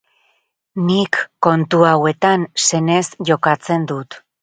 Nik, kontu hauetan, senez jokatzen dut.